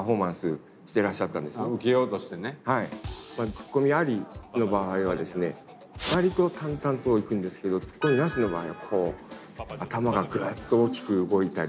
ツッコミありの場合はですね割と淡々といくんですけどツッコミなしの場合はこう頭がグッと大きく動いたり。